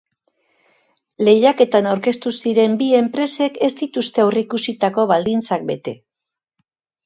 Lehiaketan aurkeztu ziren bi enpresek ez dituzte aurreikusitako baldintzak bete.